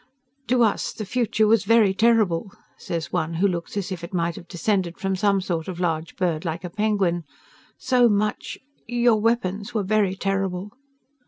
"To us the future was very terrible," says one who looks as if it might have descended from some sort of large bird like a penguin. "So much Your weapons were very terrible."